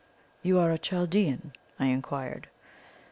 "'You are a Chaldean?' I inquired.